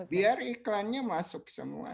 biar iklannya masuk semua